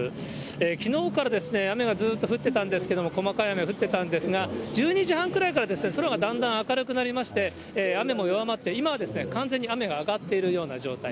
きのうから雨がずっと降ってたんですけれども、細かい雨は降ってたんですが、１２時半くらいから空がだんだん明るくなりまして、雨も弱まって、今は完全に雨が上がっているような状態。